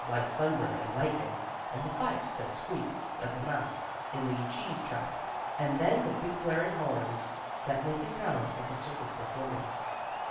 like thunder and lightning, and the fifes that squeak like a mouse in the cheese trap, and then the big blaring horns, that make a sound like a circus performance.